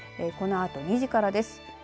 このあと２時からです。